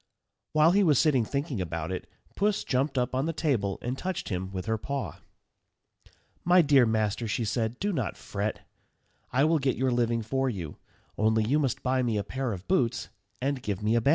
While he was sitting thinking about it, Puss jumped up on the table, and touched him with her paw. [Illustration: PUSS CONSOLING THE MILLER'S SON.] "My dear master," she said, "do not fret. I will get your living for you. Only you must buy me a pair of boots and give me a bag."